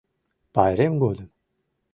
Пайрем годым